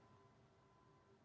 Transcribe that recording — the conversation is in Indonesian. peristiwa yang terjadi di